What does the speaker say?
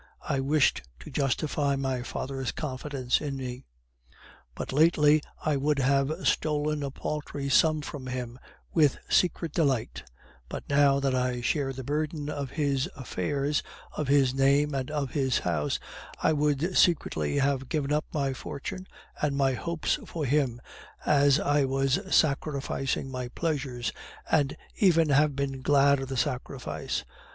I wished to justify my father's confidence in me. But lately I would have stolen a paltry sum from him, with secret delight; but now that I shared the burden of his affairs, of his name and of his house, I would secretly have given up my fortune and my hopes for him, as I was sacrificing my pleasures, and even have been glad of the sacrifice!